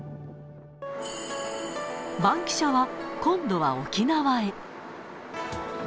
バンキシャは、今度は沖縄へ。